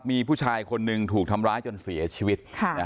มีผู้ชายคนหนึ่งถูกทำร้ายจนเสียชีวิต